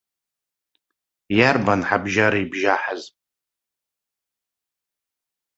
Иарбан ҳабжьара ибжьаҳаз?